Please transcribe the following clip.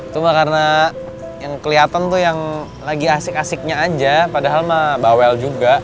cuma karena yang kelihatan tuh yang lagi asik asiknya aja padahal mah bawel juga